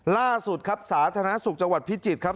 ล่าสุดครับสาธารณสุขจังหวัดพิจิตรครับ